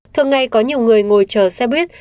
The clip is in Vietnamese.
thường ngày có nhiều người ngồi chở xe buýt